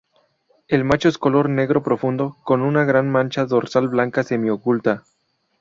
El macho es color negro profundo, con una gran mancha dorsal blanca semi-oculta.